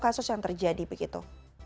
kasus yang terjadi begitu